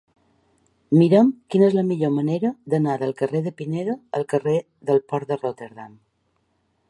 Mira'm quina és la millor manera d'anar del carrer de Pineda al carrer del Port de Rotterdam.